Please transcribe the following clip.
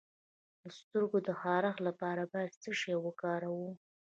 د سترګو د خارښ لپاره باید څه شی وکاروم؟